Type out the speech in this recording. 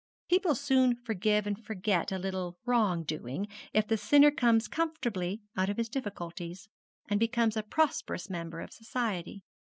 People so soon forgive and forget a little wrong doing if the sinner comes comfortably out of his difficulties, and becomes a prosperous member of society.